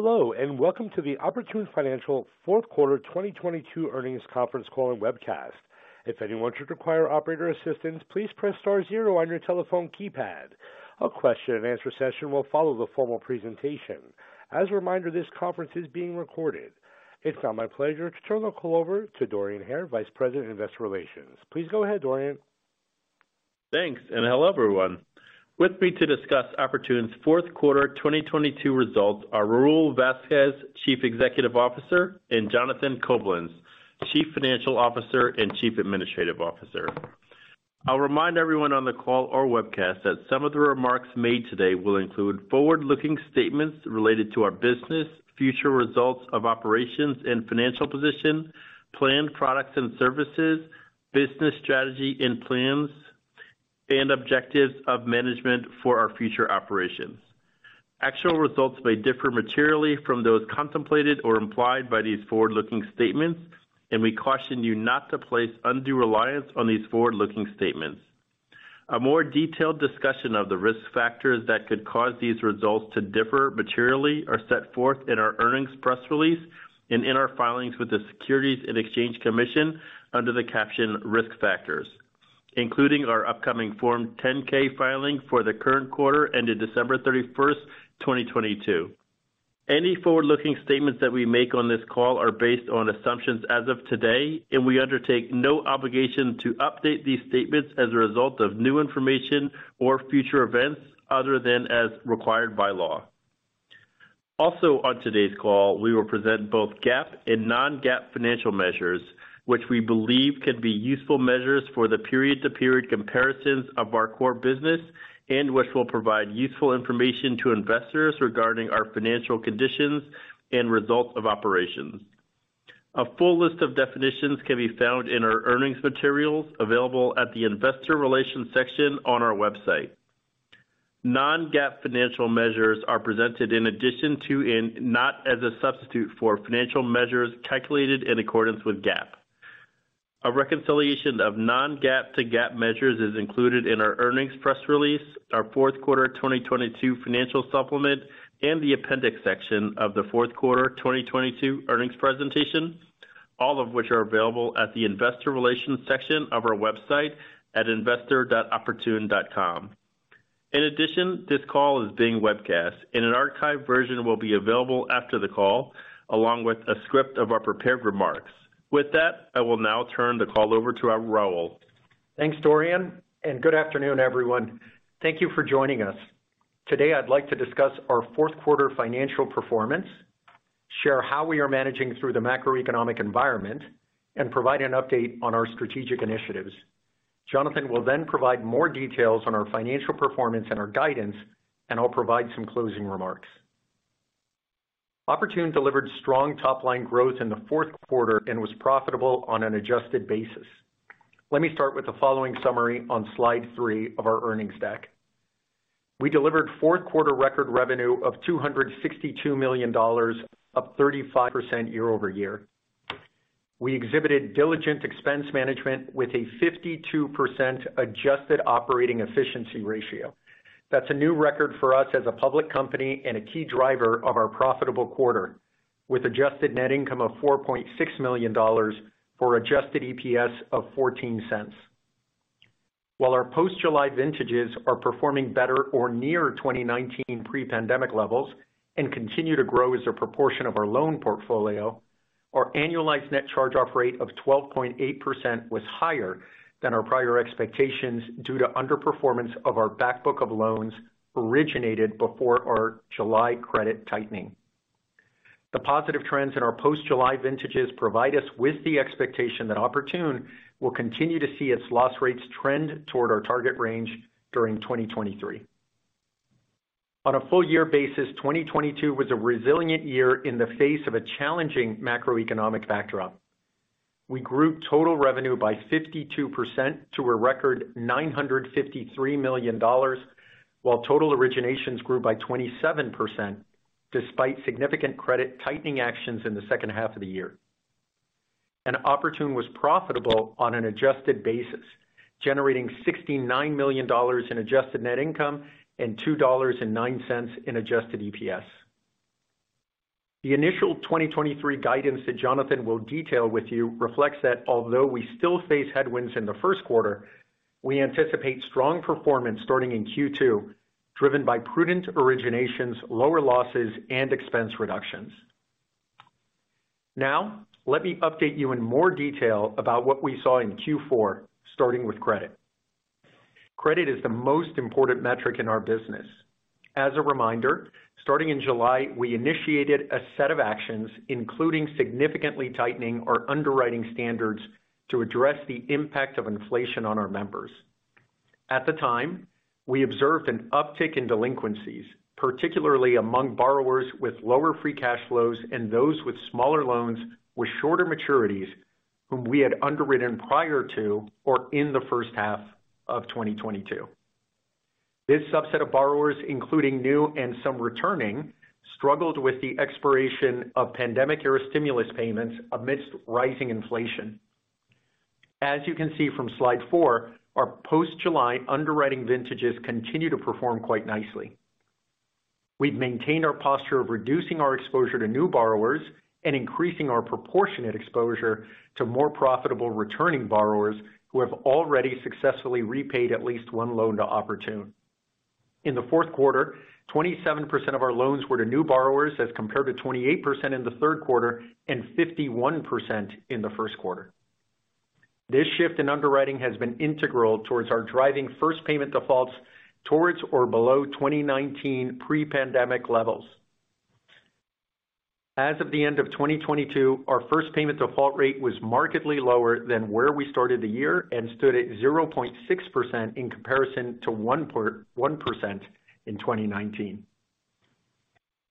Hello, welcome to the Oportun Financial fourth quarter 2022 earnings conference call and webcast. If anyone should require operator assistance, please press star zero on your telephone keypad. A question-and-answer session will follow the formal presentation. As a reminder, this conference is being recorded. It's now my pleasure to turn the call over to Dorian Hare, Vice President of Investor Relations. Please go ahead, Dorian. Thanks, hello, everyone. With me to discuss Oportun's fourth quarter 2022 results are Raul Vazquez, Chief Executive Officer, and Jonathan Coblentz, Chief Financial Officer and Chief Administrative Officer. I'll remind everyone on the call or webcast that some of the remarks made today will include forward-looking statements related to our business, future results of operations and financial position, planned products and services, business strategy and plans, and objectives of management for our future operations. Actual results may differ materially from those contemplated or implied by these forward-looking statements. We caution you not to place undue reliance on these forward-looking statements. A more detailed discussion of the risk factors that could cause these results to differ materially are set forth in our earnings press release and in our filings with the Securities and Exchange Commission under the caption Risk Factors, including our upcoming Form 10-K filing for the current quarter ended December 31st, 2022. Any forward-looking statements that we make on this call are based on assumptions as of today, and we undertake no obligation to update these statements as a result of new information or future events other than as required by law. Also, on today's call, we will present both GAAP and non-GAAP financial measures, which we believe can be useful measures for the period-to-period comparisons of our core business and which will provide useful information to investors regarding our financial conditions and results of operations. A full list of definitions can be found in our earnings materials available at the investor relations section on our website. Non-GAAP financial measures are presented in addition to, and not as a substitute for, financial measures calculated in accordance with GAAP. A reconciliation of non-GAAP to GAAP measures is included in our earnings press release, our fourth quarter 2022 financial supplement, and the appendix section of the fourth quarter 2022 earnings presentation, all of which are available at the investor relations section of our website at investor.oportun.com. In addition, this call is being webcast, and an archived version will be available after the call, along with a script of our prepared remarks. With that, I will now turn the call over to Raul. Thanks, Dorian. Good afternoon, everyone. Thank you for joining us. Today, I'd like to discuss our fourth quarter financial performance, share how we are managing through the macroeconomic environment, and provide an update on our strategic initiatives. Jonathan will then provide more details on our financial performance and our guidance, and I'll provide some closing remarks. Oportun delivered strong top-line growth in the fourth quarter and was profitable on an adjusted basis. Let me start with the following summary on slide three of our earnings deck. We delivered fourth-quarter record revenue of $262 million, up 35% year-over-year. We exhibited diligent expense management with a 52% adjusted operating efficiency ratio. That's a new record for us as a public company and a key driver of our profitable quarter, with Adjusted Net Income of $4.6 million for Adjusted EPS of $0.14. While our post-July vintages are performing better or near 2019 pre-pandemic levels and continue to grow as a proportion of our loan portfolio, our annualized net charge-off rate of 12.8% was higher than our prior expectations due to underperformance of our back book of loans originated before our July credit tightening. The positive trends in our post-July vintages provide us with the expectation that Oportun will continue to see its loss rates trend toward our target range during 2023. On a full year basis, 2022 was a resilient year in the face of a challenging macroeconomic backdrop. We grew total revenue by 52% to a record $953 million, while total originations grew by 27% despite significant credit tightening actions in the second half of the year. Oportun was profitable on an adjusted basis, generating $69 million in Adjusted Net Income and $2.09 in Adjusted EPS. The initial 2023 guidance that Jonathan will detail with you reflects that although we still face headwinds in the first quarter, we anticipate strong performance starting in Q2, driven by prudent originations, lower losses and expense reductions. Now, let me update you in more detail about what we saw in Q4, starting with credit. Credit is the most important metric in our business. As a reminder, starting in July, we initiated a set of actions, including significantly tightening our underwriting standards to address the impact of inflation on our members. At the time, we observed an uptick in delinquencies, particularly among borrowers with lower free cash flows and those with smaller loans with shorter maturities whom we had underwritten prior to or in the first half of 2022. This subset of borrowers, including new and some returning, struggled with the expiration of pandemic-era stimulus payments amidst rising inflation. As you can see from slide four, our post-July underwriting vintages continue to perform quite nicely. We've maintained our posture of reducing our exposure to new borrowers and increasing our proportionate exposure to more profitable returning borrowers who have already successfully repaid at least 1 loan to Oportun. In the fourth quarter, 27% of our loans were to new borrowers as compared to 28% in the third quarter and 51% in the first quarter. This shift in underwriting has been integral towards our driving first payment defaults towards or below 2019 pre-pandemic levels. As of the end of 2022, our first payment default rate was markedly lower than where we started the year and stood at 0.6% in comparison to 1% in 2019.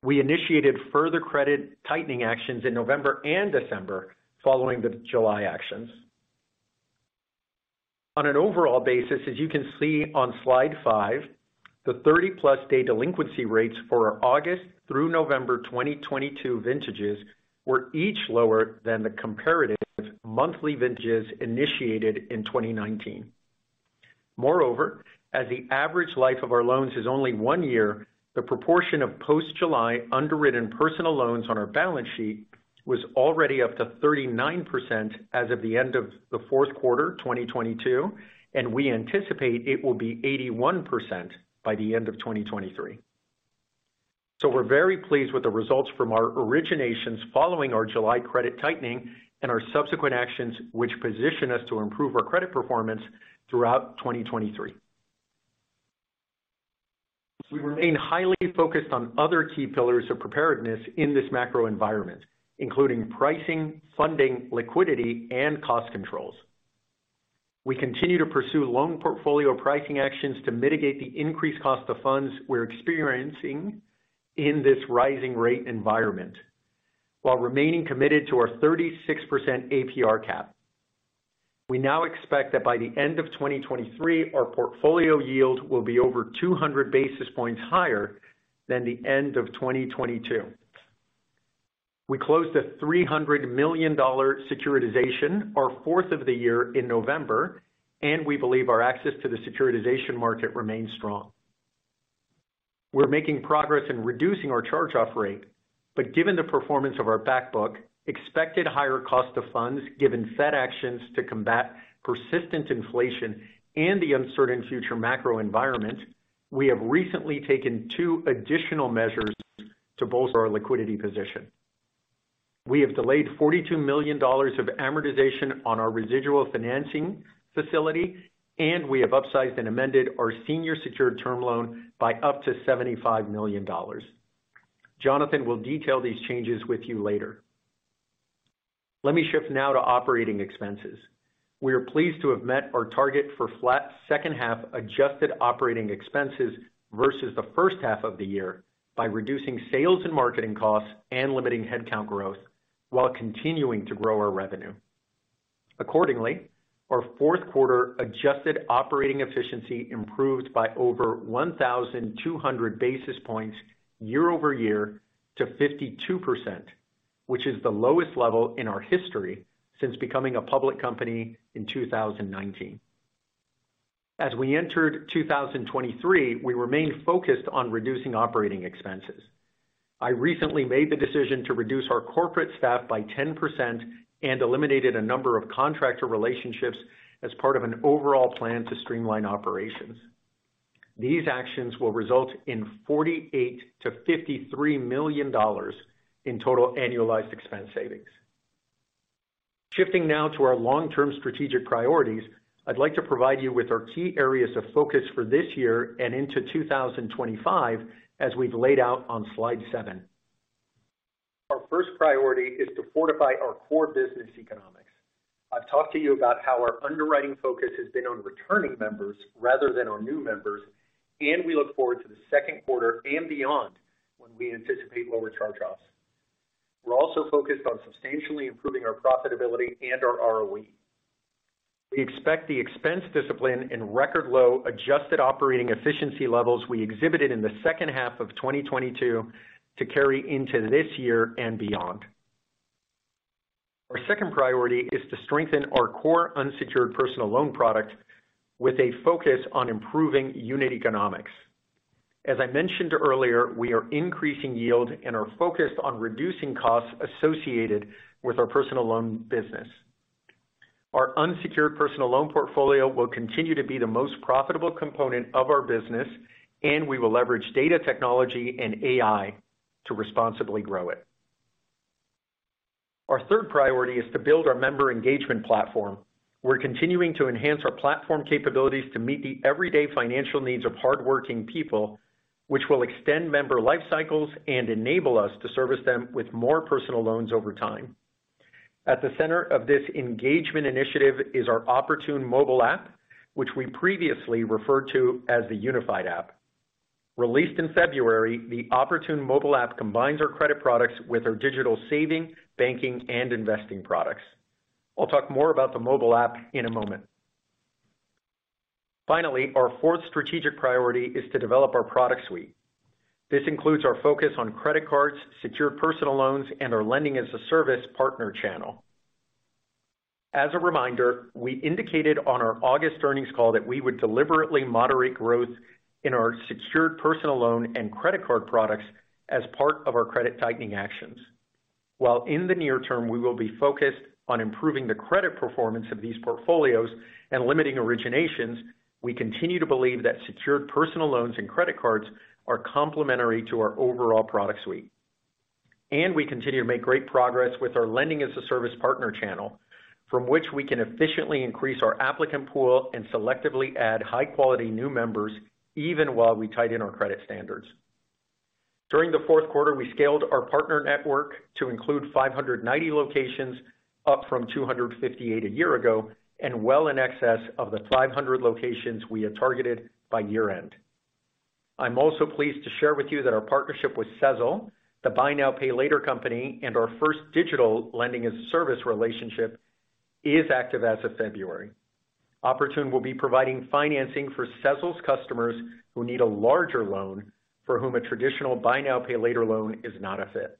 We initiated further credit tightening actions in November and December following the July actions. On an overall basis, as you can see on slide five, the 30-plus day delinquency rates for our August through November 2022 vintages were each lower than the comparative monthly vintages initiated in 2019. Moreover, as the average life of our loans is only one year, the proportion of post-July underwritten personal loans on our balance sheet was already up to 39% as of the end of the fourth quarter 2022, and we anticipate it will be 81% by the end of 2023. We're very pleased with the results from our originations following our July credit tightening and our subsequent actions, which position us to improve our credit performance throughout 2023. We remain highly focused on other key pillars of preparedness in this macro environment, including pricing, funding, liquidity, and cost controls. We continue to pursue loan portfolio pricing actions to mitigate the increased cost of funds we're experiencing in this rising rate environment, while remaining committed to our 36% APR cap. We now expect that by the end of 2023, our portfolio yield will be over 200 basis points higher than the end of 2022. We closed a $300 million securitization, our fourth of the year, in November. We believe our access to the securitization market remains strong. We're making progress in reducing our charge-off rate. Given the performance of our back book, expected higher cost of funds given Fed actions to combat persistent inflation and the uncertain future macro environment, we have recently taken two additional measures to bolster our liquidity position. We have delayed $42 million of amortization on our residual financing facility. We have upsized and amended our senior secured term loan by up to $75 million. Jonathan will detail these changes with you later. Let me shift now to operating expenses. We are pleased to have met our target for flat second half adjusted operating expenses versus the first half of the year by reducing sales and marketing costs and limiting headcount growth while continuing to grow our revenue. Accordingly, our fourth quarter adjusted operating efficiency improved by over 1,200 basis points year-over-year to 52%, which is the lowest level in our history since becoming a public company in 2019. As we entered 2023, we remained focused on reducing operating expenses. I recently made the decision to reduce our corporate staff by 10% and eliminated a number of contractor relationships as part of an overall plan to streamline operations. These actions will result in $48 million-$53 million in total annualized expense savings. Shifting now to our long-term strategic priorities, I'd like to provide you with our key areas of focus for this year and into 2025, as we've laid out on slide seven. Our first priority is to fortify our core business economics. I've talked to you about how our underwriting focus has been on returning members rather than our new members, we look forward to the second quarter and beyond when we anticipate lower charge-offs. We're also focused on substantially improving our profitability and our ROE. We expect the expense discipline in record low adjusted operating efficiency levels we exhibited in the second half of 2022 to carry into this year and beyond. Our second priority is to strengthen our core unsecured personal loan product with a focus on improving unit economics. As I mentioned earlier, we are increasing yield and are focused on reducing costs associated with our personal loan business. Our unsecured personal loan portfolio will continue to be the most profitable component of our business, and we will leverage data technology and AI to responsibly grow it. Our third priority is to build our member engagement platform. We're continuing to enhance our platform capabilities to meet the everyday financial needs of hardworking people, which will extend member life cycles and enable us to service them with more personal loans over time. At the center of this engagement initiative is our Oportun mobile app, which we previously referred to as the Unified app. Released in February, the Oportun mobile app combines our credit products with our digital saving, banking, and investing products. I'll talk more about the mobile app in a moment. Finally, our fourth strategic priority is to develop our product suite. This includes our focus on credit cards, secured personal loans, and our Lending-as-a-Service partner channel. As a reminder, we indicated on our August earnings call that we would deliberately moderate growth in our secured personal loan and credit card products as part of our credit tightening actions. While in the near term, we will be focused on improving the credit performance of these portfolios and limiting originations, we continue to believe that secured personal loans and credit cards are complementary to our overall product suite. We continue to make great progress with our Lending-as-a-Service partner channel from which we can efficiently increase our applicant pool and selectively add high-quality new members even while we tighten our credit standards. During the fourth quarter, we scaled our partner network to include 590 locations, up from 258 a year ago, and well in excess of the 500 locations we had targeted by year-end. I'm also pleased to share with you that our partnership with Sezzle, the buy now, pay later company, and our first digital Lending-as-a-Service relationship is active as of February. Oportun will be providing financing for Sezzle's customers who need a larger loan for whom a traditional buy now, pay later loan is not a fit.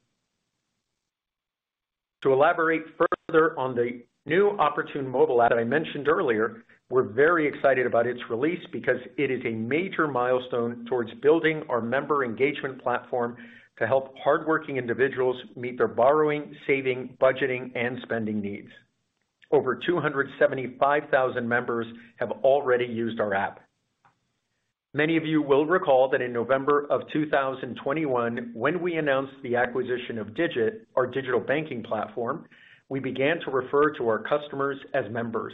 To elaborate further on the new Oportun mobile app that I mentioned earlier, we're very excited about its release because it is a major milestone towards building our member engagement platform to help hardworking individuals meet their borrowing, saving, budgeting, and spending needs. Over 275,000 members have already used our app. Many of you will recall that in November of 2021, when we announced the acquisition of Digit, our digital banking platform, we began to refer to our customers as members.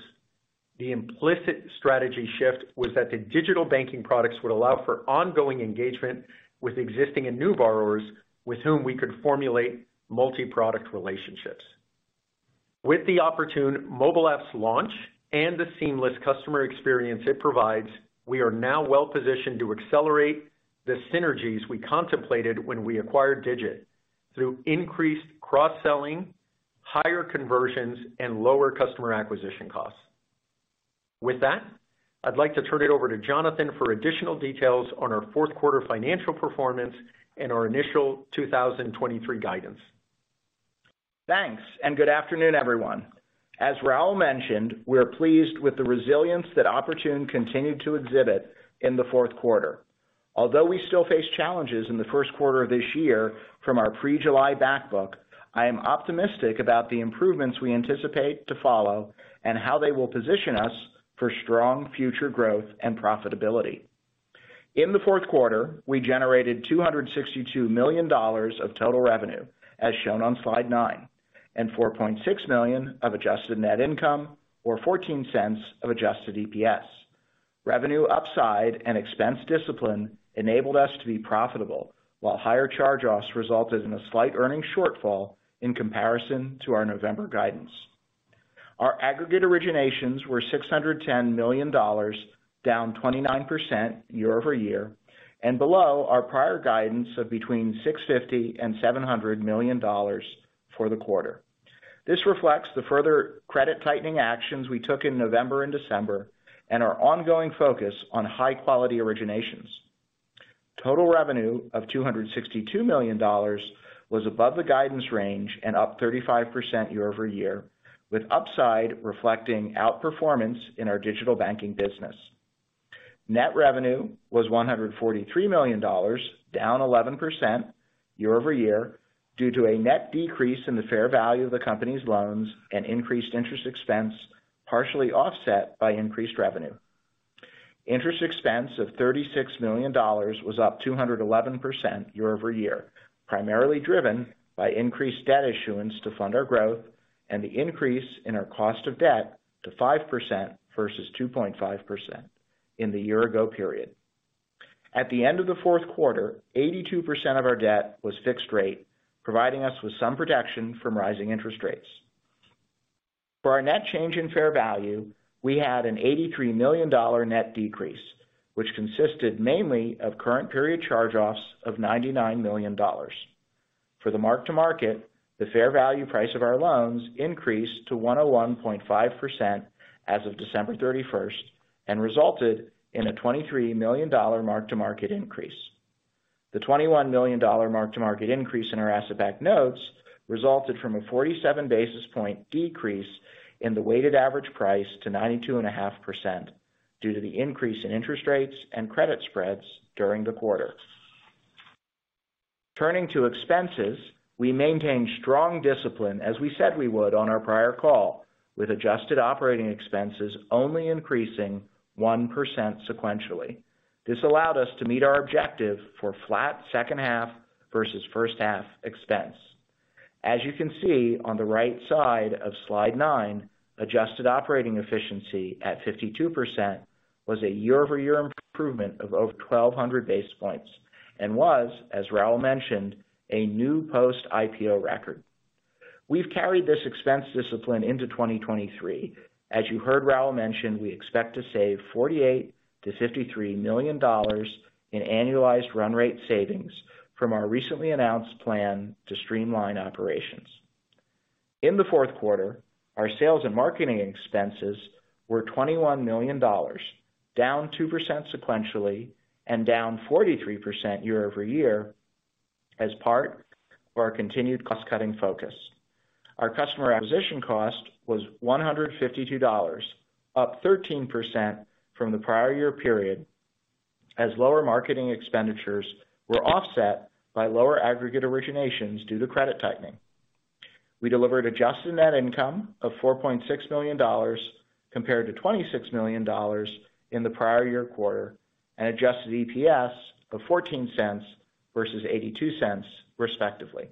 The implicit strategy shift was that the digital banking products would allow for ongoing engagement with existing and new borrowers with whom we could formulate multi-product relationships. With the Oportun mobile app's launch and the seamless customer experience it provides, we are now well-positioned to accelerate the synergies we contemplated when we acquired Digit through increased cross-selling, higher conversions, and lower customer acquisition costs. With that, I'd like to turn it over to Jonathan for additional details on our fourth quarter financial performance and our initial 2023 guidance. Thanks. Good afternoon, everyone. As Raul mentioned, we are pleased with the resilience that Oportun continued to exhibit in the fourth quarter. Although we still face challenges in the first quarter of this year from our pre-July back book, I am optimistic about the improvements we anticipate to follow and how they will position us for strong future growth and profitability. In the fourth quarter, we generated $262 million of total revenue, as shown on slide nine, and $4.6 million of Adjusted Net Income, or $0.14 of Adjusted EPS. Revenue upside and expense discipline enabled us to be profitable, while higher charge-offs resulted in a slight earnings shortfall in comparison to our November guidance. Our aggregate originations were $610 million, down 29% year-over-year, and below our prior guidance of between $650 million and $700 million for the quarter. This reflects the further credit tightening actions we took in November and December and our ongoing focus on high-quality originations. Total revenue of $262 million was above the guidance range and up 35% year-over-year, with upside reflecting outperformance in our digital banking business. Net revenue was $143 million, down 11% year-over-year, due to a net decrease in the fair value of the company's loans and increased interest expense, partially offset by increased revenue. Interest expense of $36 million was up 211% year-over-year, primarily driven by increased debt issuance to fund our growth and the increase in our cost of debt to 5% versus 2.5% in the year ago period. At the end of the fourth quarter, 82% of our debt was fixed rate, providing us with some protection from rising interest rates. For our net change in fair value, we had an $83 million net decrease, which consisted mainly of current period charge-offs of $99 million. For the mark-to-market, the fair value price of our loans increased to 101.5% as of December 31st and resulted in a $23 million mark-to-market increase. The $21 million mark-to-market increase in our asset-backed notes resulted from a 47 basis point decrease in the weighted average price to 92.5% due to the increase in interest rates and credit spreads during the quarter. Turning to expenses, we maintained strong discipline, as we said we would on our prior call, with adjusted operating expenses only increasing 1% sequentially. This allowed us to meet our objective for flat second half versus first half expense. As you can see on the right side of slide nine, adjusted operating efficiency at 52% was a year-over-year improvement of over 1,200 basis points and was, as Raul mentioned, a new post-IPO record. We've carried this expense discipline into 2023. As you heard Raul mention, we expect to save $48 million-$53 million in annualized run rate savings from our recently announced plan to streamline operations. In the fourth quarter, our sales and marketing expenses were $21 million, down 2% sequentially and down 43% year-over-year as part of our continued cost-cutting focus. Our customer acquisition cost was $152, up 13% from the prior year period as lower marketing expenditures were offset by lower aggregate originations due to credit tightening. We delivered Adjusted Net Income of $4.6 million compared to $26 million in the prior year quarter, and Adjusted EPS of $0.14 versus $0.82, respectively.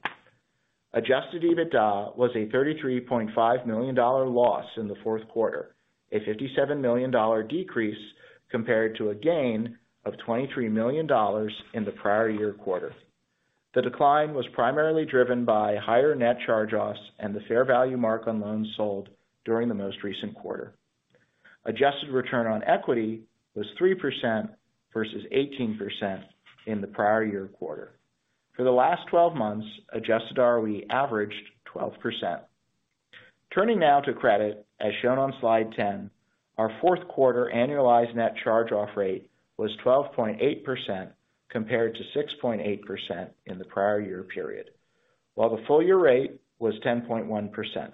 Adjusted EBITDA was a $33.5 million loss in the fourth quarter, a $57 million decrease compared to a gain of $23 million in the prior year quarter. The decline was primarily driven by higher Net Charge-Offs and the fair value mark on loans sold during the most recent quarter. Adjusted Return on Equity was 3% versus 18% in the prior year quarter. For the last 12 months, Adjusted ROE averaged 12%. Turning now to credit, as shown on slide 10. Our fourth quarter annualized net charge-off rate was 12.8% compared to 6.8% in the prior year period, while the full year rate was 10.1%.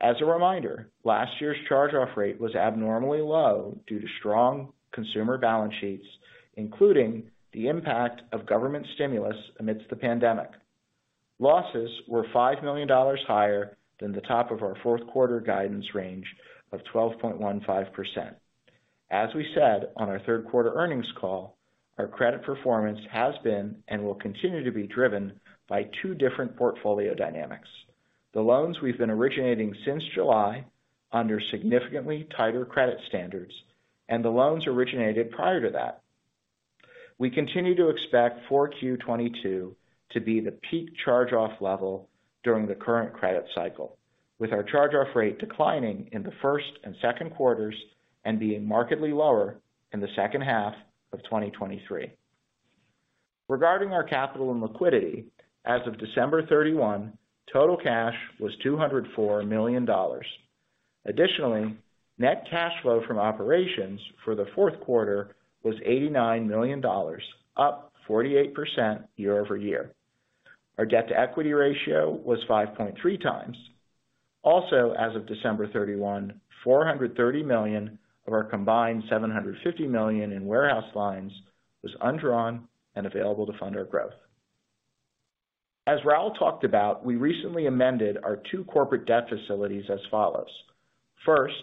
As a reminder, last year's charge-off rate was abnormally low due to strong consumer balance sheets, including the impact of government stimulus amidst the pandemic. Losses were $5 million higher than the top of our fourth quarter guidance range of 12.15%. As we said on our third quarter earnings call, our credit performance has been and will continue to be driven by two different portfolio dynamics. The loans we've been originating since July under significantly tighter credit standards and the loans originated prior to that. We continue to expect 4Q 2022 to be the peak charge-off level during the current credit cycle, with our charge-off rate declining in the first and second quarters and being markedly lower in the second half of 2023. Regarding our capital and liquidity, as of December 31, total cash was $204 million. Net cash flow from operations for the fourth quarter was $89 million, up 48% year-over-year. Our debt to equity ratio was 5.3x. Also, as of December thirty-one, $430 million of our combined $750 million in warehouse lines was undrawn and available to fund our growth. As Raul talked about, we recently amended our two corporate debt facilities as follows. First,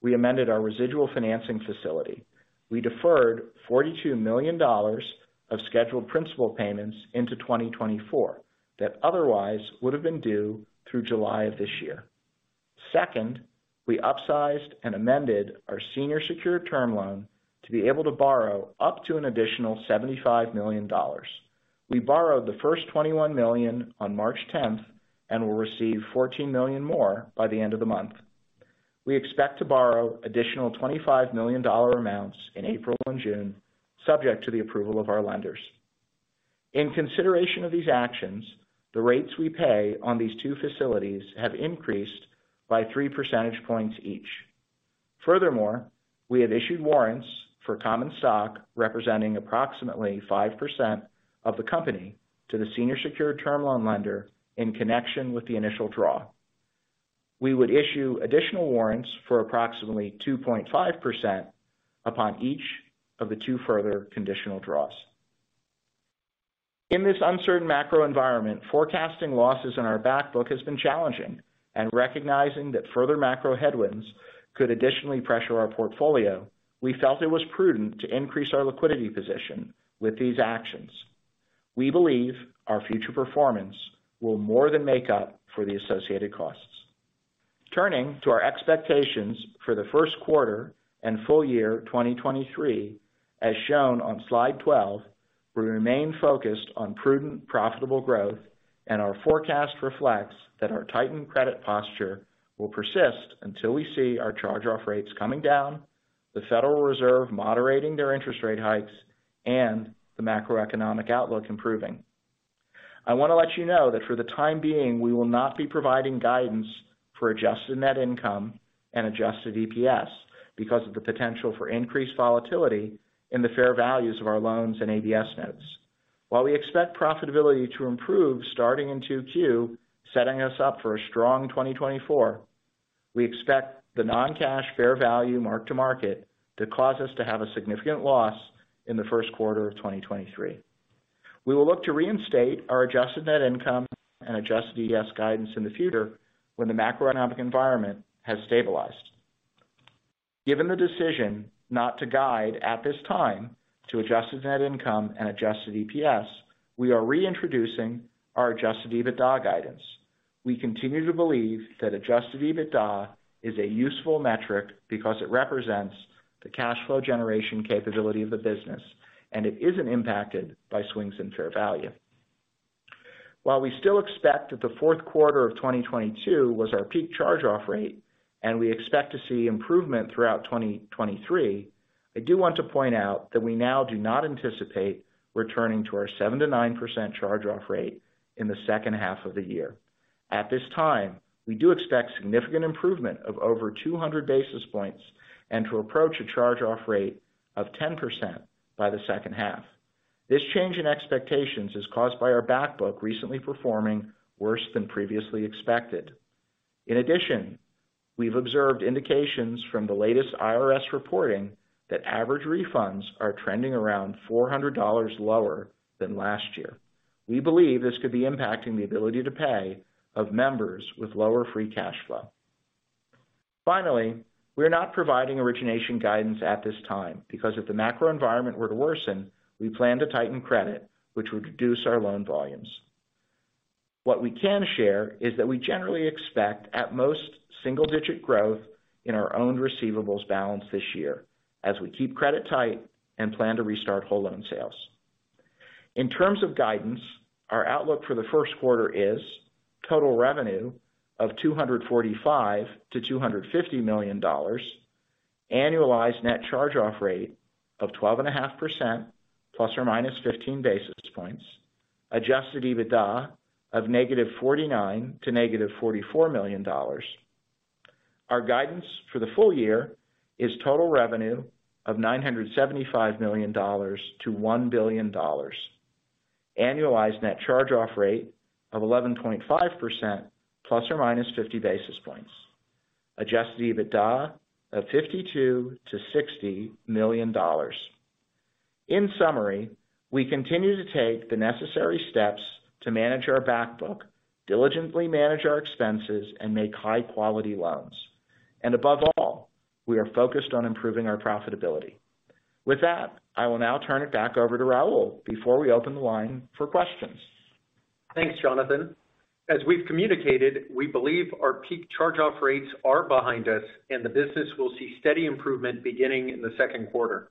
we amended our residual financing facility. We deferred $42 million of scheduled principal payments into 2024 that otherwise would have been due through July of this year. Second, we upsized and amended our senior secured term loan to be able to borrow up to an additional $75 million. We borrowed the first $21 million on March tenth and will receive $14 million more by the end of the month. We expect to borrow additional $25 million amounts in April and June, subject to the approval of our lenders. In consideration of these actions, the rates we pay on these two facilities have increased by three percentage points each. Furthermore, we have issued warrants for common stock representing approximately 5% of the company to the senior secured term loan lender in connection with the initial draw. We would issue additional warrants for approximately 2.5% upon each of the two further conditional draws. In this uncertain macro environment, forecasting losses in our back book has been challenging. Recognizing that further macro headwinds could additionally pressure our portfolio, we felt it was prudent to increase our liquidity position with these actions. We believe our future performance will more than make up for the associated costs. Turning to our expectations for the first quarter and full year 2023, as shown on slide 12, we remain focused on prudent, profitable growth and our forecast reflects that our tightened credit posture will persist until we see our charge-off rates coming down, the Federal Reserve moderating their interest rate hikes, and the macroeconomic outlook improving. I want to let you know that for the time being, we will not be providing guidance for Adjusted Net Income and Adjusted EPS because of the potential for increased volatility in the fair values of our loans and ABS notes. While we expect profitability to improve starting in 2Q, setting us up for a strong 2024, we expect the non-cash fair value mark-to-market to cause us to have a significant loss in the first quarter of 2023. We will look to reinstate our Adjusted Net Income and Adjusted EPS guidance in the future when the macroeconomic environment has stabilized. Given the decision not to guide at this time to Adjusted Net Income and Adjusted EPS, we are reintroducing our Adjusted EBITDA guidance. We continue to believe that Adjusted EBITDA is a useful metric because it represents the cash flow generation capability of the business and it isn't impacted by swings in fair value. While we still expect that the fourth quarter of 2022 was our peak charge-off rate and we expect to see improvement throughout 2023, I do want to point out that we now do not anticipate returning to our 7%-9% charge-off rate in the second half of the year. At this time, we do expect significant improvement of over 200 basis points and to approach a charge-off rate of 10% by the second half. This change in expectations is caused by our back book recently performing worse than previously expected. In addition, we've observed indications from the latest IRS reporting that average refunds are trending around $400 lower than last year. We believe this could be impacting the ability to pay of members with lower free cash flow. Finally, we're not providing origination guidance at this time because if the macro environment were to worsen, we plan to tighten credit, which would reduce our loan volumes. What we can share is that we generally expect, at most, single-digit growth in our own receivables balance this year as we keep credit tight and plan to restart whole loan sales. In terms of guidance, our outlook for the first quarter is total revenue of $245 million-$250 million, annualized net charge-off rate of 12.5% ±15 basis points. Adjusted EBITDA of -$49 million to -$44 million. Our guidance for the full year is total revenue of $975 million-$1 billion. Annualized net charge-off rate of 11.5% ±50 basis points. Adjusted EBITDA of $52 million-$60 million. In summary, we continue to take the necessary steps to manage our back book, diligently manage our expenses, and make high-quality loans. Above all, we are focused on improving our profitability. With that, I will now turn it back over to Raul before we open the line for questions. Thanks, Jonathan. As we've communicated, we believe our peak charge-off rates are behind us, and the business will see steady improvement beginning in the second quarter.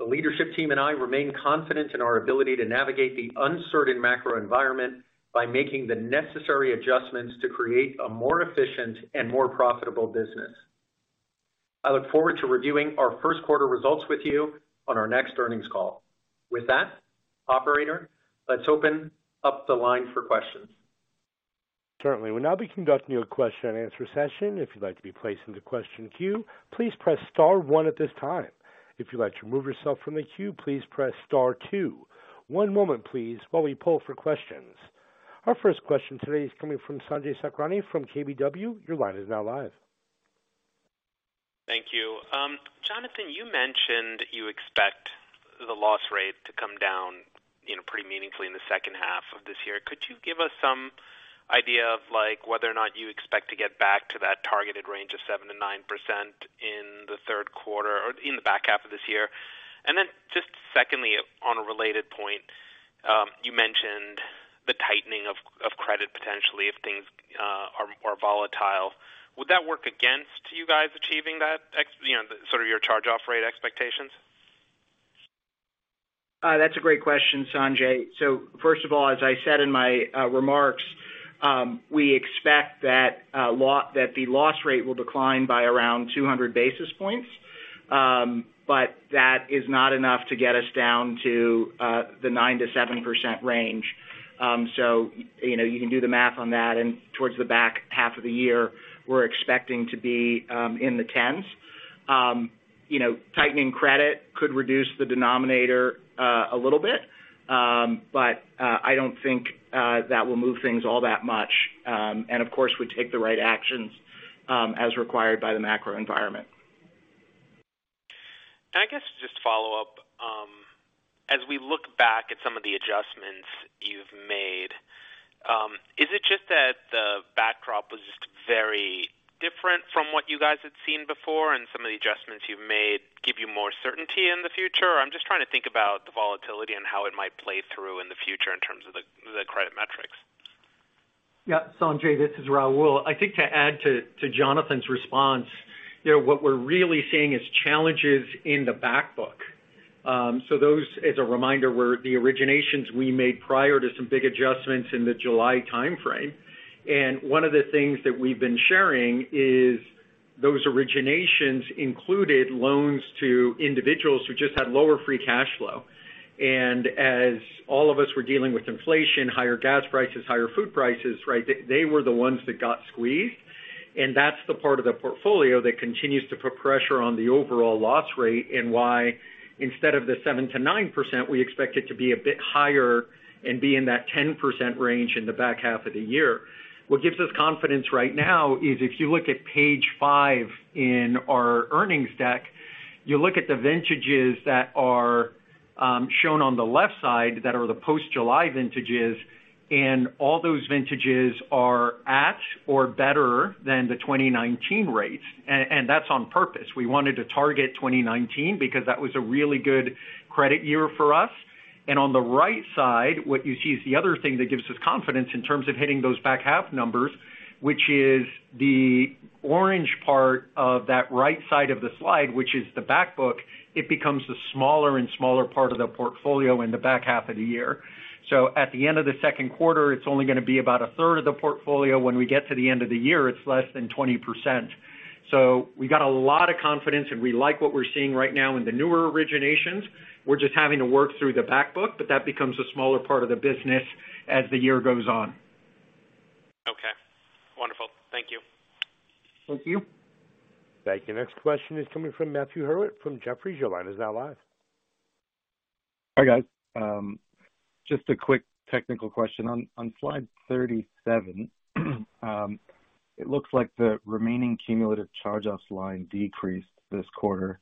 The leadership team and I remain confident in our ability to navigate the uncertain macro environment by making the necessary adjustments to create a more efficient and more profitable business. I look forward to reviewing our first quarter results with you on our next earnings call. With that, operator, let's open up the line for questions. Certainly. We'll now be conducting a question-and-answer session. If you'd like to be placed into question queue, please press star one at this time. If you'd like to remove yourself from the queue, please press star two. One moment, please, while we poll for questions. Our first question today is coming from Sanjay Sakhrani from KBW. Your line is now live. Thank you. Jonathan, you mentioned you expect the loss rate to come down, you know, pretty meaningfully in the second half of this year. Could you give us some idea of like whether or not you expect to get back to that targeted range of 7%-9% in the third quarter or in the back half of this year? Just secondly, on a related point, you mentioned the tightening of credit potentially if things are more volatile. Would that work against you guys achieving that, you know, sort of your charge-off rate expectations? That's a great question, Sanjay. First of all, as I said in my remarks, we expect that the loss rate will decline by around 200 basis points. That is not enough to get us down to the 9%-7% range. You know, you can do the math on that. Towards the back half of the year, we're expecting to be in the tens. You know, tightening credit could reduce the denominator a little bit. I don't think that will move things all that much. Of course, we take the right actions as required by the macro environment. I guess just to follow up, as we look back at some of the adjustments you've made, is it just that the backdrop was just very different from what you guys had seen before and some of the adjustments you've made give you more certainty in the future? I'm just trying to think about the volatility and how it might play through in the future in terms of the credit metrics. Yeah, Sanjay, this is Raul. I think to add to Jonathan's response, you know, what we're really seeing is challenges in the back book. Those as a reminder were the originations we made prior to some big adjustments in the July timeframe. One of the things that we've been sharing is those originations included loans to individuals who just had lower free cash flow. As all of us were dealing with inflation, higher gas prices, higher food prices, right, they were the ones that got squeezed. That's the part of the portfolio that continues to put pressure on the overall loss rate and why instead of the 7%-9%, we expect it to be a bit higher and be in that 10% range in the back half of the year. What gives us confidence right now is if you look at page five in our earnings deck, you look at the vintages that are shown on the left side that are the post-July vintages, all those vintages are at or better than the 2019 rates. That's on purpose. We wanted to target 2019 because that was a really good credit year for us. On the right side, what you see is the other thing that gives us confidence in terms of hitting those back half numbers, which is the orange part of that right side of the slide, which is the back book. It becomes a smaller and smaller part of the portfolio in the back half of the year. At the end of the second quarter, it's only going to be about a third of the portfolio. When we get to the end of the year, it's less than 20%. We got a lot of confidence and we like what we're seeing right now in the newer originations. We're just having to work through the back book, but that becomes a smaller part of the business as the year goes on. Okay, wonderful. Thank you. Thank you. Thank you. Next question is coming from Matthew Hurwit from Jefferies. Your line is now live. Hi, guys. Just a quick technical question. On slide 37, it looks like the remaining cumulative charge-offs line decreased this quarter.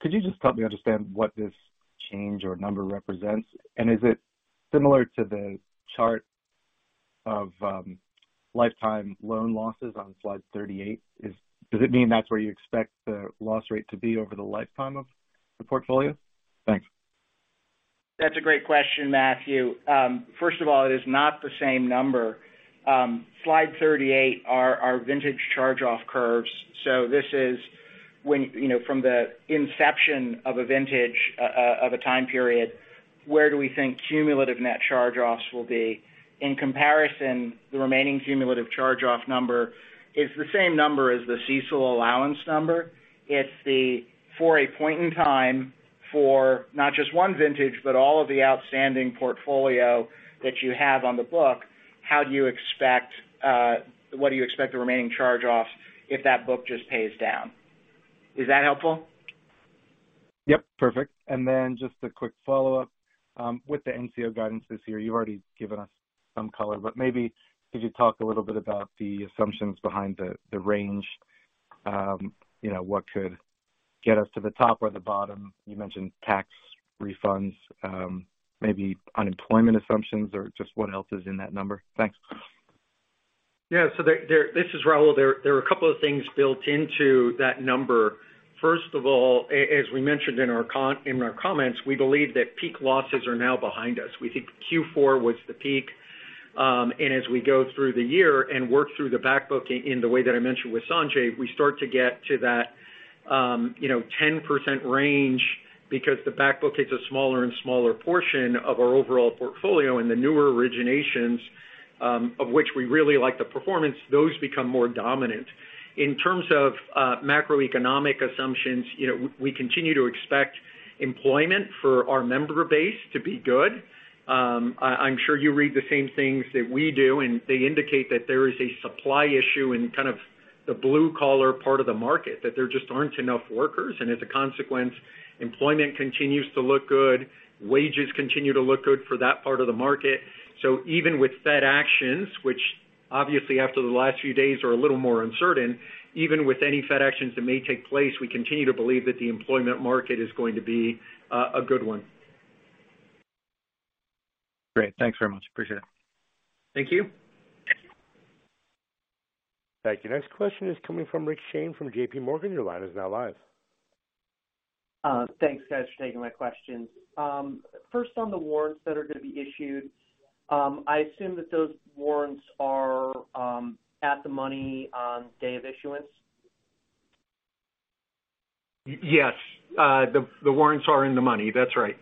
Could you just help me understand what this change or number represents? Is it similar to the chart of lifetime loan losses on slide 38? Does it mean that's where you expect the loss rate to be over the lifetime of the portfolio? Thanks. That's a great question, Matthew. First of all, it is not the same number. Slide 38 are our vintage charge-off curves. This is when, you know, from the inception of a vintage of a time period, where do we think cumulative net charge-offs will be? In comparison, the remaining cumulative charge-off number is the same number as the CECL allowance number. It's the for a point in time for not just one vintage, but all of the outstanding portfolio that you have on the book, how do you expect, what do you expect the remaining charge-offs if that book just pays down? Is that helpful? Yep, perfect. Just a quick follow-up. With the NCO guidance this year, you've already given us some color, but maybe could you talk a little bit about the assumptions behind the range? You know, what could get us to the top or the bottom? You mentioned tax refunds, maybe unemployment assumptions or just what else is in that number? Thanks. Yeah. This is Raul. There are a couple of things built into that number. First of all, as we mentioned in our comments, we believe that peak losses are now behind us. We think Q4 was the peak. As we go through the year and work through the back book in the way that I mentioned with Sanjay, we start to get to that, you know, 10% range because the back book is a smaller and smaller portion of our overall portfolio. The newer originations, of which we really like the performance, those become more dominant. In terms of macroeconomic assumptions, you know, we continue to expect employment for our member base to be good. I'm sure you read the same things that we do, they indicate that there is a supply issue in kind of the blue collar part of the market, that there just aren't enough workers. As a consequence, employment continues to look good, wages continue to look good for that part of the market. Even with Fed actions, which obviously after the last few days are a little more uncertain, even with any Fed actions that may take place, we continue to believe that the employment market is going to be a good one. Great. Thanks very much. Appreciate it. Thank you. Thank you. Next question is coming from Rick Shane from J.P. Morgan. Your line is now live. Thanks guys for taking my questions. First on the warrants that are going to be issued, I assume that those warrants are at the money on day of issuance. Yes. The warrants are in the money. That's right.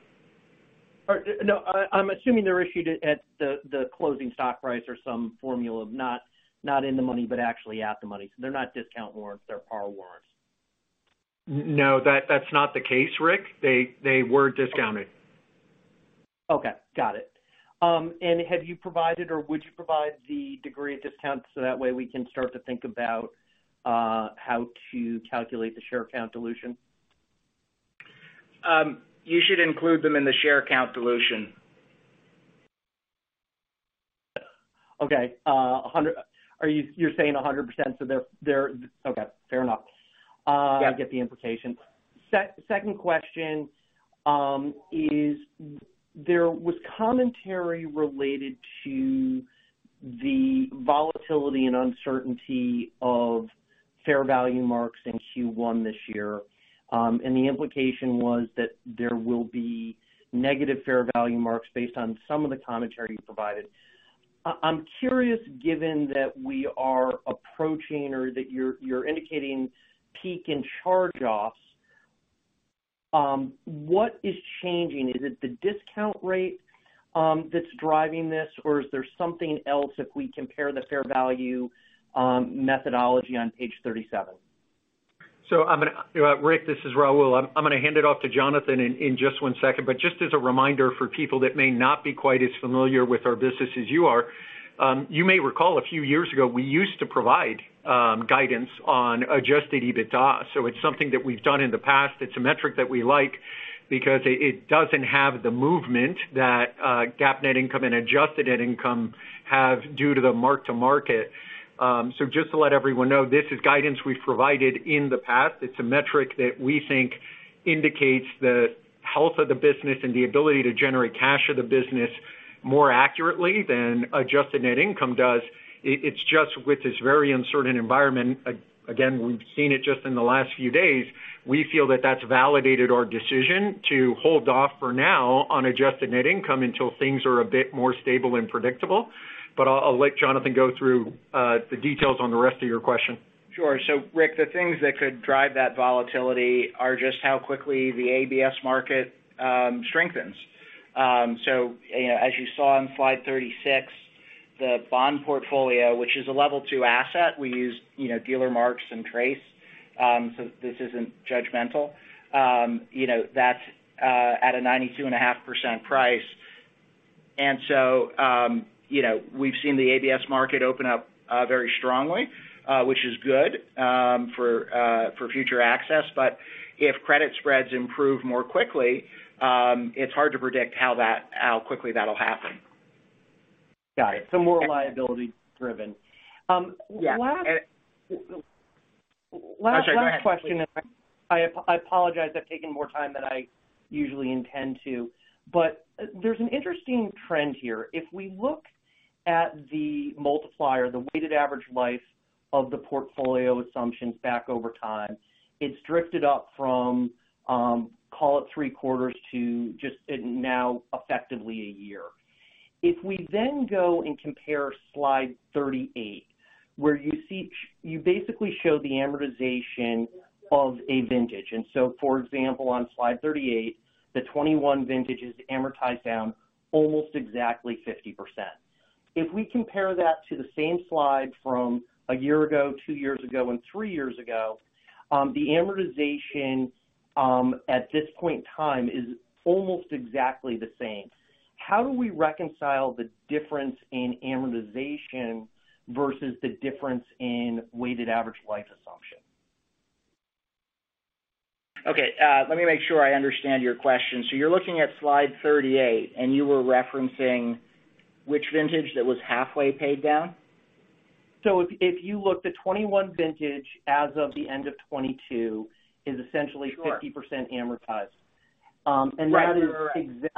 No, I'm assuming they're issued at the closing stock price or some formula, not in the money but actually at the money. They're not discount warrants, they're par warrants. No, that's not the case, Rick. They were discounted. Okay, got it. Have you provided or would you provide the degree of discount so that way we can start to think about how to calculate the share count dilution? You should include them in the share count dilution. Okay. You're saying 100%, so they're... Okay, fair enough. Yeah. I get the implication. Second question, there was commentary related to the volatility and uncertainty of fair value marks in Q1 this year. The implication was that there will be negative fair value marks based on some of the commentary you provided. I'm curious, given that we are approaching or that you're indicating peak in charge-offs, what is changing? Is it the discount rate that's driving this? Is there something else if we compare the fair value methodology on page 37? Rick, this is Raul. I'm going to hand it off to Jonathan in just one second. Just as a reminder for people that may not be quite as familiar with our business as you are, you may recall a few years ago, we used to provide guidance on Adjusted EBITDA. It's something that we've done in the past. It's a metric that we like because it doesn't have the movement that GAAP Net Income and Adjusted Net Income have due to the mark-to-market. Just to let everyone know, this is guidance we've provided in the past. It's a metric that we think indicates the health of the business and the ability to generate cash of the business more accurately than Adjusted Net Income does. It's just with this very uncertain environment, again, we've seen it just in the last few days. We feel that that's validated our decision to hold off for now on Adjusted Net Income until things are a bit more stable and predictable. I'll let Jonathan go through the details on the rest of your question. Sure. Rick, the things that could drive that volatility are just how quickly the ABS market strengthens. You know, as you saw on slide 36. The bond portfolio, which is a Level two asset, we use, you know, dealer marks and TRACE, so this isn't judgmental. You know, that's at a 92.5% price. So, you know, we've seen the ABS market open up very strongly, which is good for future access. If credit spreads improve more quickly, it's hard to predict how quickly that'll happen. Got it. more liability-driven. Yeah. Um, last- Okay, go ahead. Last question. I apologize, I've taken more time than I usually intend to. There's an interesting trend here. If we look at the multiplier, the weighted average life of the portfolio assumptions back over time, it's drifted up from, call it three quarters to just now effectively a year. If we go and compare slide 38, where you basically show the amortization of a vintage. For example, on slide 38, the 21 vintage is amortized down almost exactly 50%. If we compare that to the same slide from a year ago, two years ago and three years ago, the amortization at this point in time is almost exactly the same. How do we reconcile the difference in amortization versus the difference in weighted average life assumption? Okay, let me make sure I understand your question. You're looking at slide 38, and you were referencing which vintage that was halfway paid down? If you look, the 2021 vintage as of the end of 2022 is essentially- Sure. 50% amortized. Right. ±150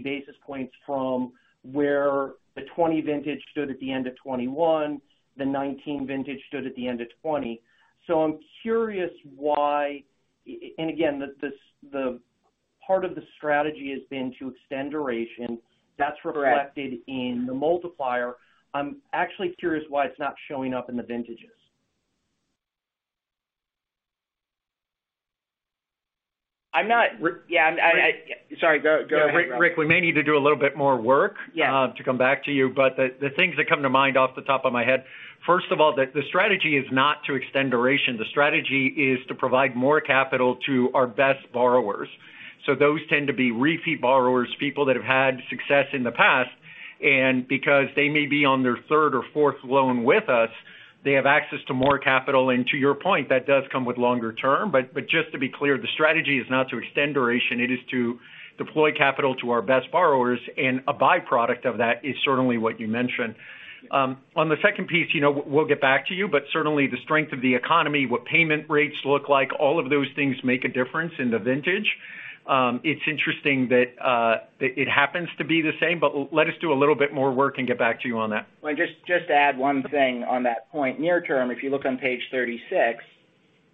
basis points from where the 2020 vintage stood at the end of 2021, the 2019 vintage stood at the end of 2020. I'm curious why... Again, the part of the strategy has been to extend duration. Correct. That's reflected in the multiplier. I'm actually curious why it's not showing up in the vintages. I'm not... Yeah, I... Sorry. Go ahead, Raul. Rick, we may need to do a little bit more work- Yeah. To come back to you. The things that come to mind off the top of my head, first of all, the strategy is not to extend duration. The strategy is to provide more capital to our best borrowers. Those tend to be repeat borrowers, people that have had success in the past. Because they may be on their third or fourth loan with us, they have access to more capital. To your point, that does come with longer term. Just to be clear, the strategy is not to extend duration. It is to deploy capital to our best borrowers, and a byproduct of that is certainly what you mentioned. On the second piece, you know, we'll get back to you, but certainly the strength of the economy, what payment rates look like, all of those things make a difference in the vintage. It's interesting that it happens to be the same, but let us do a little bit more work and get back to you on that. Well, just to add one thing on that point near term. If you look on page 36,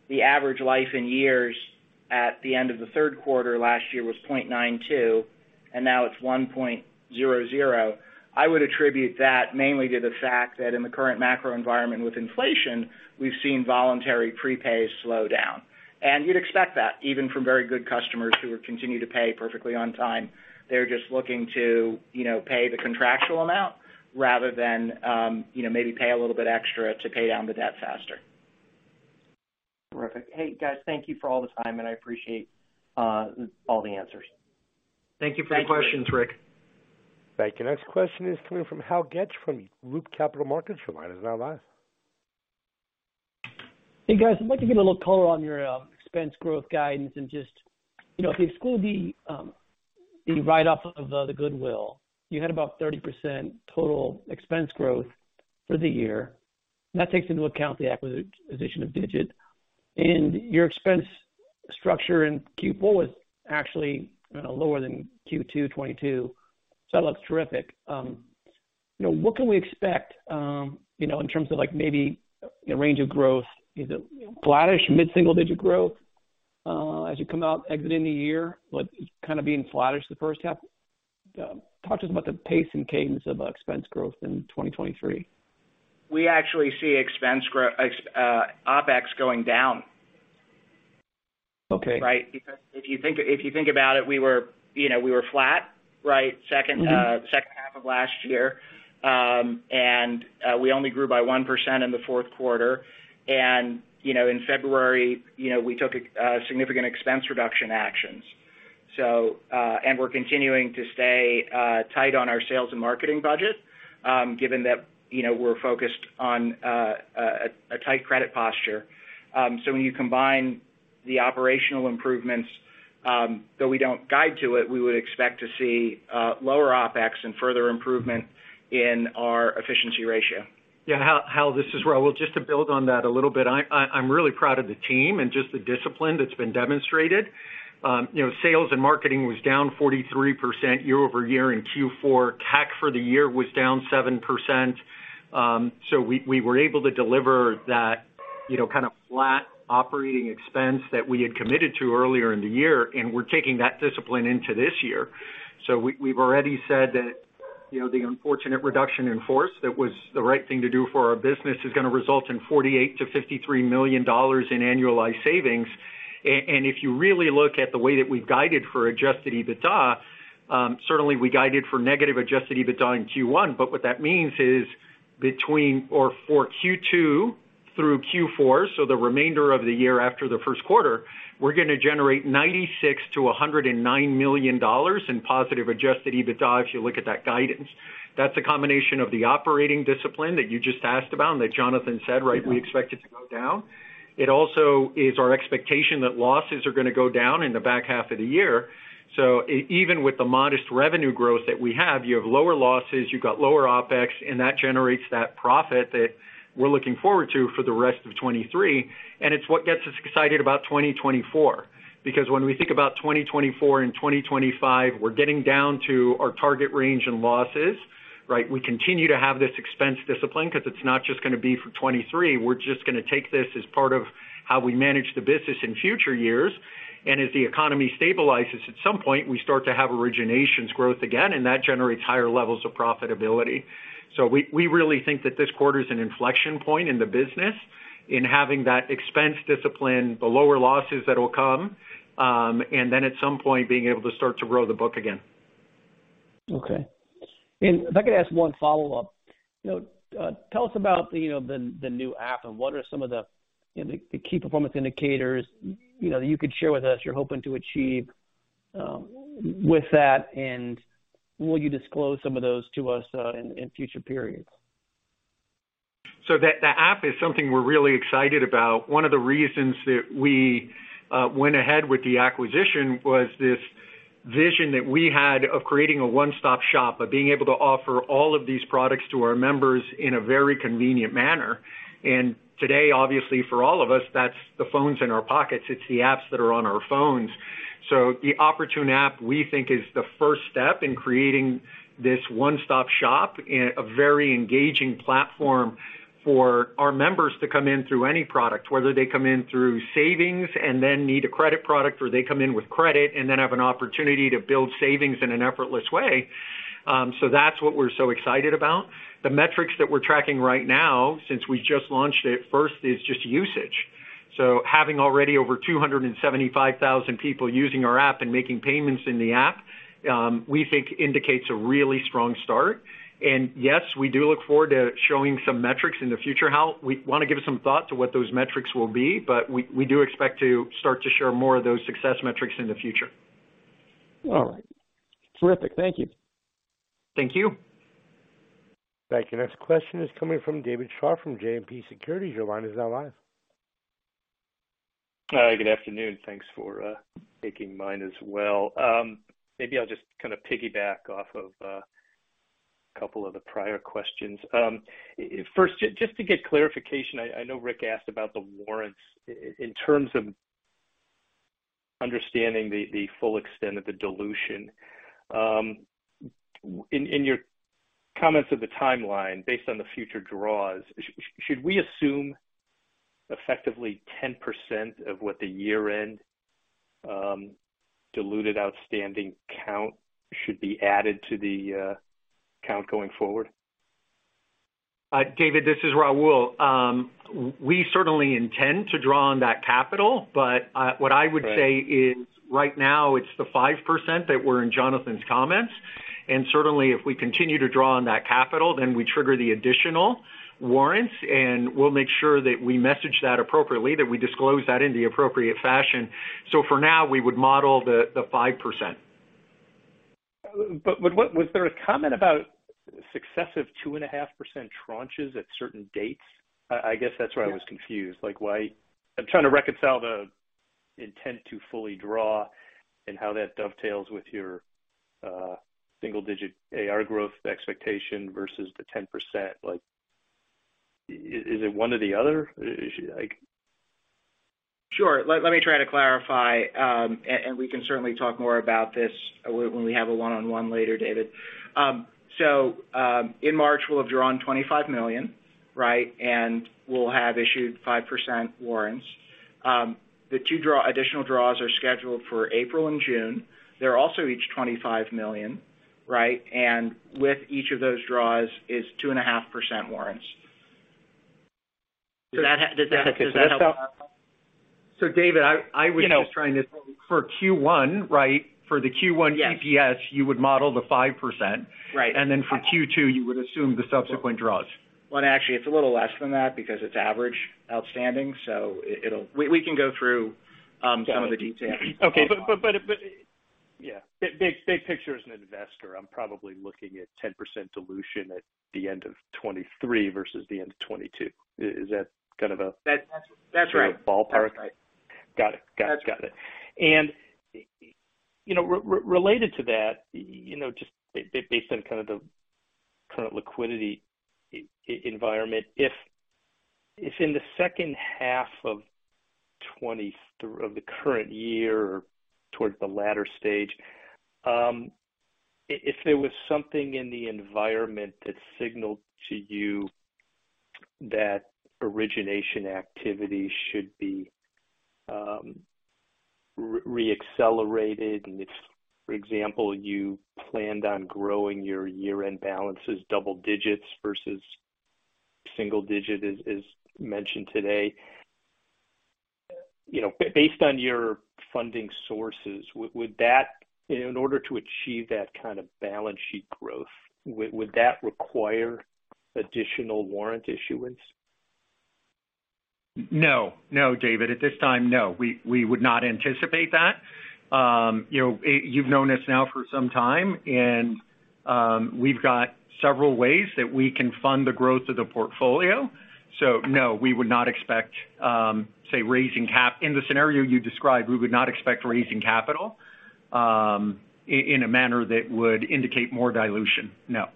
the average life in years at the end of the third quarter last year was 0.92, and now it's 1.00. I would attribute that mainly to the fact that in the current macro environment with inflation, we've seen voluntary prepays slow down. You'd expect that even from very good customers who would continue to pay perfectly on time. They're just looking to, you know, pay the contractual amount rather than, you know, maybe pay a little bit extra to pay down the debt faster. Terrific. Hey, guys, thank you for all the time, and I appreciate all the answers. Thank you for the questions, Rick. Thank you. Next question is coming from Hal Goetsch from Loop Capital Markets. Your line is now live. Hey, guys. I'd like to get a little color on your expense growth guidance and just, you know, if we exclude the write-off of the goodwill, you had about 30% total expense growth for the year. That takes into account the acquisition of Digit. Your expense structure in Q4 was actually lower than Q2 2022. That looks terrific. You know, what can we expect, you know, in terms of like maybe a range of growth? Is it flattish, mid-single-digit growth, as you come out exiting the year, but kind of being flattish the first half? Talk to us about the pace and cadence of expense growth in 2023. We actually see expense OpEx going down. Okay. Right? if you think about it, we were, you know, we were flat, right? Mm-hmm. Second half of last year. We only grew by 1% in the fourth quarter. You know, in February, you know, we took significant expense reduction actions. We're continuing to stay tight on our sales and marketing budget, given that, you know, we're focused on a tight credit posture. When you combine the operational improvements, though we don't guide to it, we would expect to see lower OpEx and further improvement in our efficiency ratio. Yeah. Hal, this is Raul. Just to build on that a little bit. I'm really proud of the team and just the discipline that's been demonstrated. You know, sales and marketing was down 43% year-over-year in Q4. Tech for the year was down 7%. We were able to deliver that, you know, kind of flat operating expense that we had committed to earlier in the year, and we're taking that discipline into this year. We've already said that. You know, the unfortunate reduction in force that was the right thing to do for our business is going to result in $48 million-$53 million in annualized savings. If you really look at the way that we've guided for Adjusted EBITDA, certainly we guided for negative Adjusted EBITDA in Q1. What that means is between or for Q2 through Q4, so the remainder of the year after the first quarter, we're going to generate $96 million-$109 million in positive Adjusted EBITDA if you look at that guidance. That's a combination of the operating discipline that you just asked about and that Jonathan said, right, we expect it to go down. It also is our expectation that losses are going to go down in the back half of the year. Even with the modest revenue growth that we have, you have lower losses, you've got lower OpEx, and that generates that profit that we're looking forward to for the rest of 2023. It's what gets us excited about 2024. When we think about 2024 and 2025, we're getting down to our target range and losses, right? We continue to have this expense discipline because it's not just going to be for 2023. We're just going to take this as part of how we manage the business in future years. As the economy stabilizes at some point, we start to have originations growth again, and that generates higher levels of profitability. We really think that this quarter is an inflection point in the business in having that expense discipline, the lower losses that will come, and then at some point being able to start to grow the book again. Okay. If I could ask one follow-up. You know, tell us about, you know, the new app and what are some of the, you know, the key performance indicators, you know, that you could share with us you're hoping to achieve, with that? Will you disclose some of those to us, in future periods? The app is something we're really excited about. One of the reasons that we went ahead with the acquisition was this vision that we had of creating a one-stop shop, of being able to offer all of these products to our members in a very convenient manner. Today, obviously, for all of us, that's the phones in our pockets. It's the apps that are on our phones. The Oportun app, we think, is the first step in creating this one-stop shop in a very engaging platform for our members to come in through any product, whether they come in through savings and then need a credit product, or they come in with credit and then have an opportunity to build savings in an effortless way. That's what we're so excited about. The metrics that we're tracking right now, since we just launched it first, is just usage. Having already over 275,000 people using our app and making payments in the app, we think indicates a really strong start. Yes, we do look forward to showing some metrics in the future, Hal. We want to give some thought to what those metrics will be, but we do expect to start to share more of those success metrics in the future. All right. Terrific. Thank you. Thank you. Thank you. Next question is coming from David Scharf from JMP Securities. Your line is now live. Hi, good afternoon. Thanks for taking mine as well. Maybe I'll just kind of piggyback off of a couple of the prior questions. First, just to get clarification, I know Rick asked about the warrants. In terms of understanding the full extent of the dilution, in your comments of the timeline based on the future draws, should we assume effectively 10% of what the year-end diluted outstanding count should be added to the count going forward? David, this is Raul. We certainly intend to draw on that capital. Right. What I would say is right now it's the 5% that were in Jonathan's comments. Certainly if we continue to draw on that capital, then we trigger the additional warrants, and we'll make sure that we message that appropriately, that we disclose that in the appropriate fashion. For now, we would model the 5%. What was there a comment about successive 2.5% tranches at certain dates? I guess that's where I was confused. Why, I'm trying to reconcile the intent to fully draw and how that dovetails with your single-digit AR growth expectation versus the 10%. Is it one or the other? Is it like? Sure. Let me try to clarify. We can certainly talk more about this when we have a one-on-one later, David. In March, we'll have drawn $25 million, right? We'll have issued 5% warrants. The two additional draws are scheduled for April and June. They're also each $25 million, right? With each of those draws is 2.5% warrants. Does that. Does that help? David, I was just trying to... For Q1, right, for the Q1- Yes. EPS, you would model the 5%. Right. For Q2, you would assume the subsequent draws. Well, actually, it's a little less than that because it's average outstanding, it'll. We can go through some of the details. Okay. Yeah. big picture as an investor, I'm probably looking at 10% dilution at the end of 2023 versus the end of 2022. Is that kind of a? That's, that's right. sort of ballpark? That's right. Got it. Got it. Got it. That's right. You know, related to that, you know, just based on kind of the current liquidity environment, if in the second half of the current year or towards the latter stage, if there was something in the environment that signaled to you that origination activity should be reaccelerated. If, for example, you planned on growing your year-end balances double digits versus single digit as mentioned today. Based on your funding sources, in order to achieve that kind of balance sheet growth, would that require additional warrant issuance? No. David. At this time, no. We would not anticipate that. you know, you've known us now for some time and, we've got several ways that we can fund the growth of the portfolio. No, we would not expect, say, In the scenario you described, we would not expect raising capital, in a manner that would indicate more dilution. No.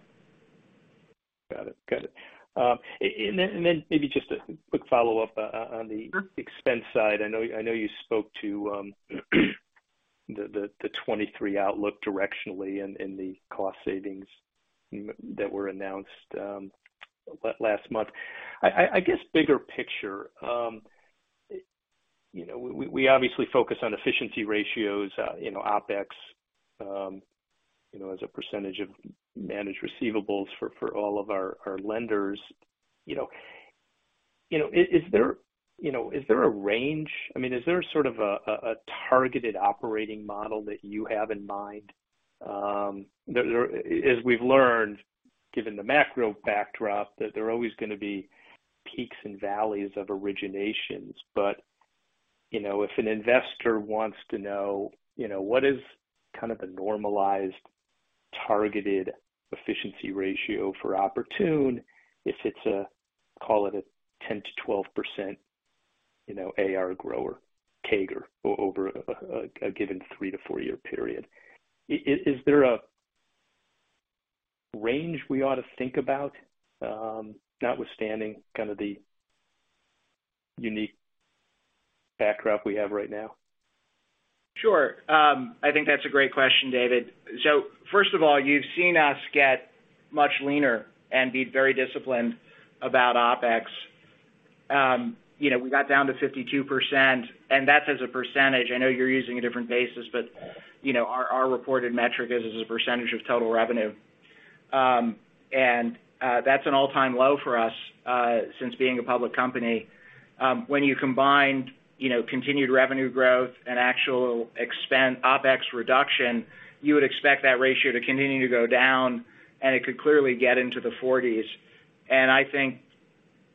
Got it. Got it. Maybe just a quick follow-up on the expense side. I know you spoke to the 2023 outlook directionally and the cost savings that were announced last month. I guess bigger picture, you know, we obviously focus on efficiency ratios, you know, OpEx, you know, as a percentage of managed receivables for all of our lenders. You know, is there a range? I mean, is there sort of a targeted operating model that you have in mind? There. As we've learned, given the macro backdrop, that there are always gonna be peaks and valleys of originations. You know, if an investor wants to know, you know, what is kind of a normalized targeted efficiency ratio for Oportun if it's a, call it a 10%-12%, you know, AR grower CAGR over a given three-four-year period. Is there a range we ought to think about, notwithstanding kind of the unique backdrop we have right now? Sure. I think that's a great question, David. First of all, you've seen us get much leaner and be very disciplined about OpEx. You know, we got down to 52%, and that's as a percentage. I know you're using a different basis, but, you know, our reported metric is as a percentage of total revenue. That's an all-time low for us since being a public company. When you combine, you know, continued revenue growth and actual OpEx reduction, you would expect that ratio to continue to go down, and it could clearly get into the 40s. I think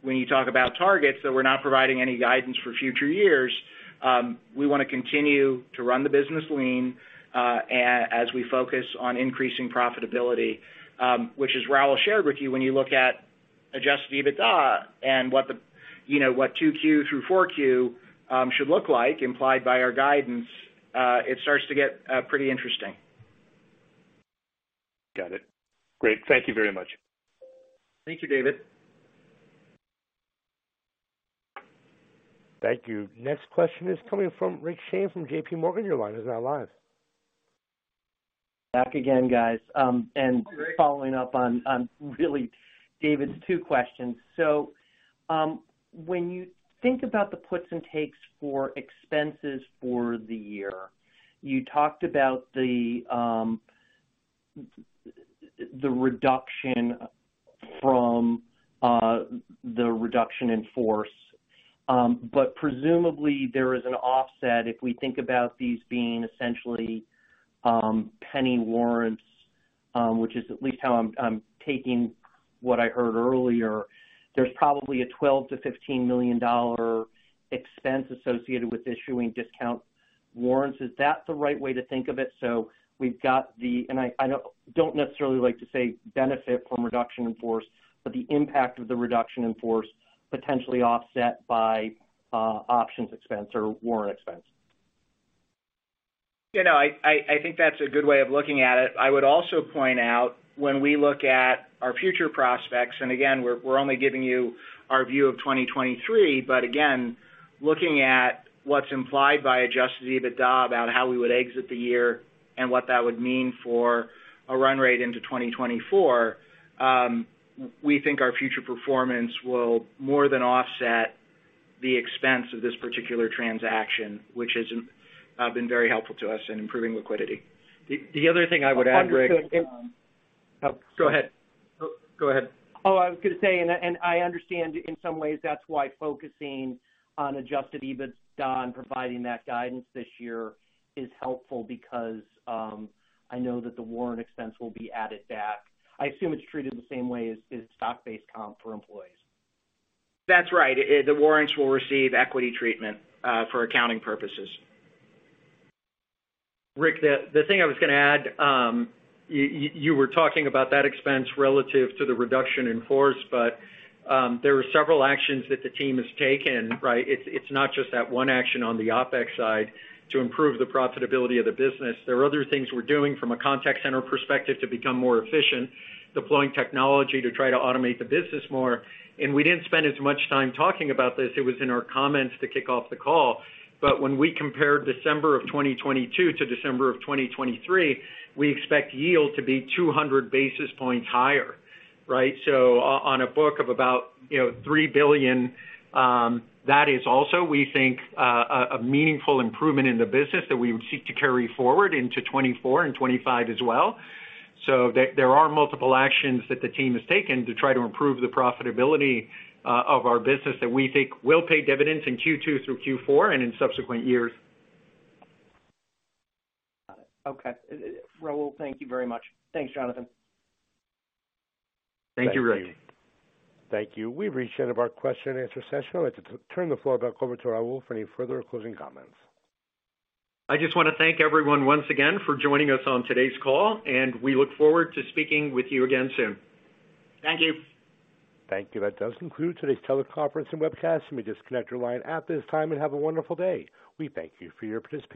when you talk about targets, though we're not providing any guidance for future years, we wanna continue to run the business lean, as we focus on increasing profitability, which as Raul shared with you, when you look at Adjusted EBITDA and what 2Q through 4Q should look like implied by our guidance, it starts to get pretty interesting. Got it. Great. Thank you very much. Thank you, David. Thank you. Next question is coming from Rick Shane from J.P. Morgan. Your line is now live. Back again, guys. Hi, Rick. Following up on really David's two questions. When you think about the puts and takes for expenses for the year, you talked about the reduction from the reduction in force. But presumably there is an offset if we think about these being essentially penny warrants, which is at least how I'm taking what I heard earlier. There's probably a $12 million-$15 million expense associated with issuing discount warrants. Is that the right way to think of it? We've got the and I don't necessarily like to say benefit from reduction in force, but the impact of the reduction in force potentially offset by options expense or warrant expense. You know, I think that's a good way of looking at it. I would also point out when we look at our future prospects, again, we're only giving you our view of 2023, but again, looking at what's implied by Adjusted EBITDA about how we would exit the year and what that would mean for a run rate into 2024, we think our future performance will more than offset the expense of this particular transaction, which has been very helpful to us in improving liquidity. The other thing I would add, Rick. Understood. Oh, go ahead. Go ahead. Oh, I was gonna say, I understand in some ways that's why focusing on Adjusted EBITDA and providing that guidance this year is helpful because I know that the warrant expense will be added back. I assume it's treated the same way as stock-based comp for employees. That's right. The warrants will receive equity treatment for accounting purposes. Rick, the thing I was gonna add, you were talking about that expense relative to the reduction in force, there are several actions that the team has taken, right? It's not just that one action on the OpEx side to improve the profitability of the business. There are other things we're doing from a contact center perspective to become more efficient, deploying technology to try to automate the business more. We didn't spend as much time talking about this. It was in our comments to kick off the call. When we compared December of 2022 to December of 2023, we expect yield to be 200 basis points higher, right? On a book of about, you know, $3 billion, that is also, we think, a meaningful improvement in the business that we would seek to carry forward into 2024 and 2025 as well. There are multiple actions that the team has taken to try to improve the profitability of our business that we think will pay dividends in Q2 through Q4 and in subsequent years. Got it. Okay. Raul, thank you very much. Thanks, Jonathan. Thank you, Rick. Thank you. We've reached the end of our question and answer session. I'd like to turn the floor back over to Raul for any further closing comments. I just wanna thank everyone once again for joining us on today's call, and we look forward to speaking with you again soon. Thank you. Thank you. That does conclude today's teleconference and webcast. You may disconnect your line at this time and have a wonderful day. We thank you for your participation.